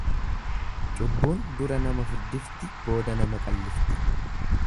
Cubbuun dura nama furdifti booda nama qallifti.